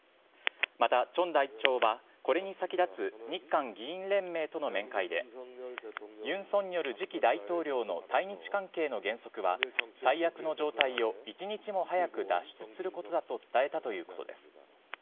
またチョン代表は、これに先立つ日韓議員連盟との面会で、ユン・ソンニョル次期大統領の対日関係の原則は、最悪の状態を一日も早く脱出することだと伝えたということです。